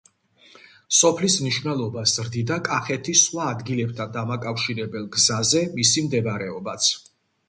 სოფლის მნიშვნელობას ზრდიდა კახეთის სხვა ადგილებთან დამაკავშირებელ გზაზე მისი მდებარეობაც.